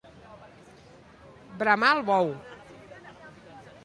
Bramar el bou.